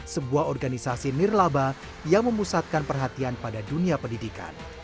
sebuah organisasi nirlaba yang memusatkan perhatian pada dunia pendidikan